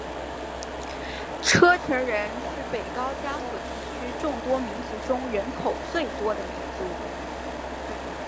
车臣人是北高加索地区众多民族中人口最多的民族。